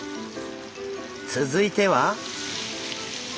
続いては。